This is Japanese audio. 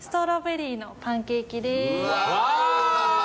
うわ！